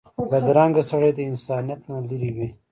بدرنګه سړی د انسانیت نه لرې وي